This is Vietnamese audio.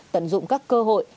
tận dụng các cơ hội